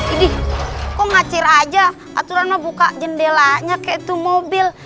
ini kok macer aja aturannya buka jendelanya kayak itu mobil